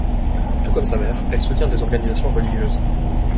Tout comme sa mère, elle soutient des organisations religieuses.